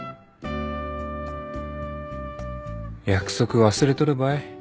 約束忘れとるばい